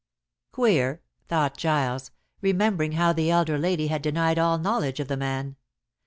"Queer," thought Giles, remembering how the elder lady had denied all knowledge of the man.